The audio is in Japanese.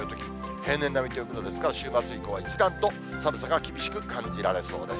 平年並みということですから、週末以降は一段と寒さが厳しく感じられそうです。